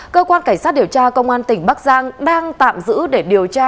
cơ quan cảnh sát điều tra công an tỉnh bắc giang đang tạm giữ để điều tra